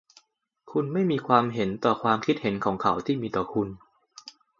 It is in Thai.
คุณไม่มีความเห็นต่อความคิดเห็นของเขาที่มีต่อคุณ